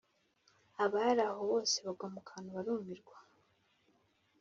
Abari aho bose bagwa mu kantu barumirwa